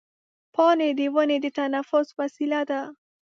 پاڼې د ونې د تنفس وسیله ده.